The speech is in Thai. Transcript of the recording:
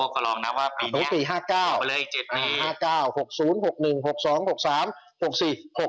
ก็ลองนับว่าปีนี้อันบริเวณปี๕๙